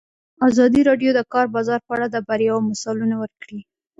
ازادي راډیو د د کار بازار په اړه د بریاوو مثالونه ورکړي.